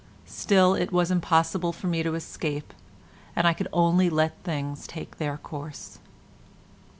Still it was impossible for me to escape, and I could only let things take their course.